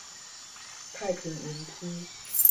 太平雲梯